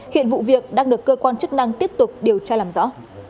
hiện vụ việc đang được cơ quan chức năng tiếp tục điều tra làm rõ